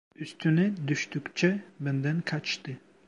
Üstüne düştükçe benden kaçtı.